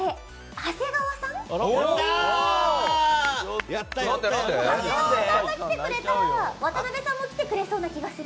長谷川さんが来てくれたら渡辺さんも来てくれそうな気がする。